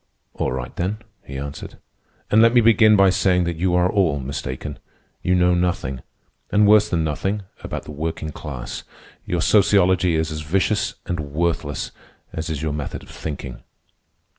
"All right, then," he answered; "and let me begin by saying that you are all mistaken. You know nothing, and worse than nothing, about the working class. Your sociology is as vicious and worthless as is your method of thinking."